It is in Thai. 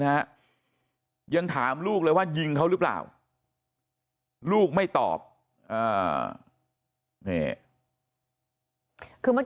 ฮะยังถามลูกเลยว่ายิงเขาหรือเปล่าลูกไม่ตอบอ่านี่คือเมื่อ